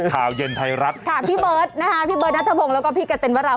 สวัสดีครับ